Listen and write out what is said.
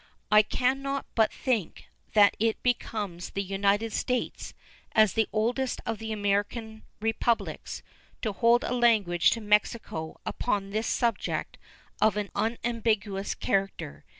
I can not but think that it becomes the United States, as the oldest of the American Republics, to hold a language to Mexico upon this subject of an unambiguous character.